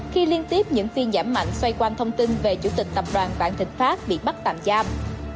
khi liên tiếp những phiên giảm mạnh xoay quanh thông tin về chủ tịch tập đoàn vạn thịnh pháp bị bắt tạm giam